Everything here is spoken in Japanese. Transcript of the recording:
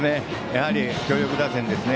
やはり強力打線ですね。